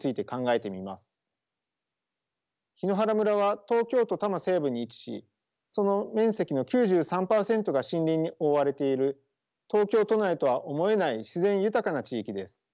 檜原村は東京都多摩西部に位置しその面積の９３％が森林に覆われている東京都内とは思えない自然豊かな地域です。